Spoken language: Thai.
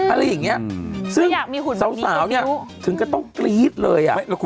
อะไรอย่างนี้ซึ่งสาวเนี่ยถึงก็ต้องกรี๊ดเลยอ่ะไม่อยากมีหุ่นแบบนี้ก็ไม่รู้